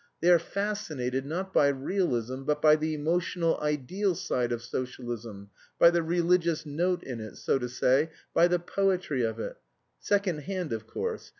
They are fascinated, not by realism, but by the emotional ideal side of socialism, by the religious note in it, so to say, by the poetry of it... second hand, of course.